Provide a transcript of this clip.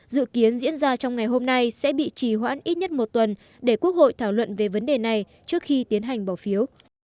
dự kiến diễn ra trong ngày hôm nay sẽ bị trì hoãn ít nhất một tuần để quốc hội thảo luận về vấn đề này trước khi tiến hành bỏ phiếu